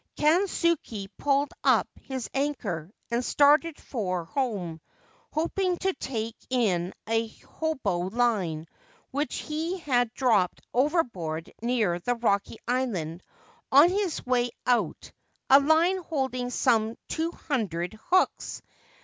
Kansuke pulled up his anchor and started for home, hoping to take in a hobo line which he had dropped overboard near the rocky island on his way out — a line holding some two hundred hooks.